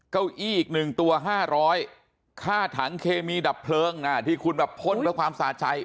เก้าอี้อีก๑ตัว๕๐๐ค่าถังเคมีดับเพลิงที่คุณแบบพ่นเพื่อความสะใจ